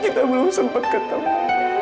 kita belum sempat ketemu